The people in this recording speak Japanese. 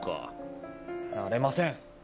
なれません。